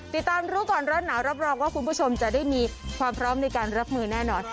ติดตามรู้ก่อนร้อนหนาวรับรองว่าคุณผู้ชมจะได้มีความพร้อมในการรับมือแน่นอน